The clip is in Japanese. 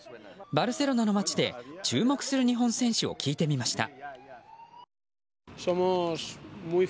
バルセロナの街で注目する日本選手を聞いてみました。